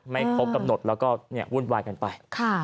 ไม่ครบกำหนดแล้วก็วุ่นวายกันไป